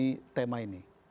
mengenai tema ini